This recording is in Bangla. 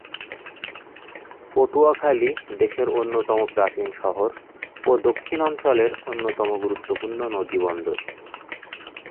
পটুয়াখালী দেশের অন্যতম প্রাচীন শহর ও দক্ষিণাঞ্চলের অন্যতম গুরুত্বপূর্ণ নদীবন্দর।